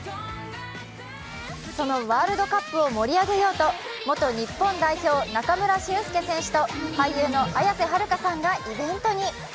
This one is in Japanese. そのワールドカップを盛り上げようと元日本代表、中村俊輔選手と俳優の綾瀬はるかさんがイベントに。